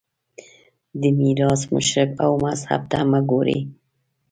دې میراث مشرب او مذهب ته مه ګورئ